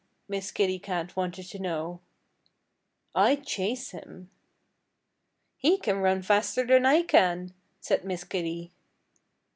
Miss Kitty Cat wanted to know. "I'd chase him." "He can run faster than I can," said Miss Kitty.